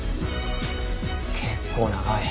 結構長い。